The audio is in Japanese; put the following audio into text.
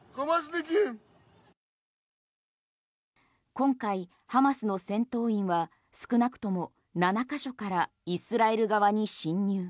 今回、ハマスの戦闘員は少なくとも７か所からイスラエル側に侵入。